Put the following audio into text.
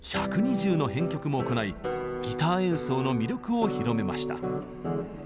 １２０の編曲も行いギター演奏の魅力を広めました。